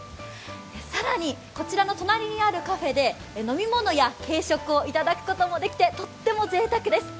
更に、こちらの隣にあるカフェで飲み物や軽食を頂くこともできてとってもぜいたくです。